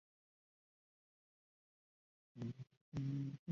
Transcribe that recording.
以下是德国利珀领地伯爵和侯爵的列表。